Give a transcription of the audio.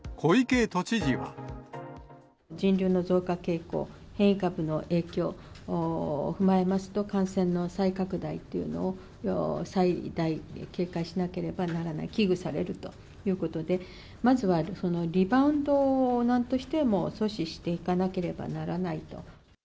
人流の増加傾向、変異株の影響を踏まえますと、感染の再拡大というのを最大警戒しなければならない、危惧されるということで、まずはリバウンドをなんとしても阻止していかなければならないと。